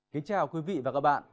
kính chào quý vị và các bạn